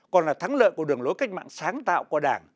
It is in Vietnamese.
còn là thắng lợi của đường lối cách mạng sáng tạo của đảng